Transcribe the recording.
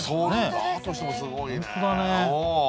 だとしてもすごいね。